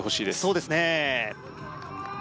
そうですね